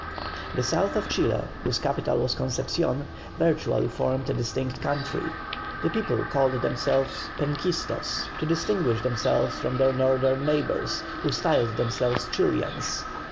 The south of Chile, whose capital was Concepcion, virtually formed a distinct country. The people called themselves "Penquistos," to distinguish themselves from their northern neighbours, who styled themselves "Chilians."